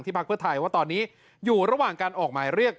พักเพื่อไทยว่าตอนนี้อยู่ระหว่างการออกหมายเรียก